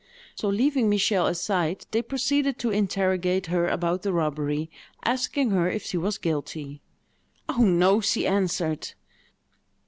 So, leaving Michel aside, they proceeded to interrogate her about the robbery, asking her if she was guilty. "Oh, no!" she answered.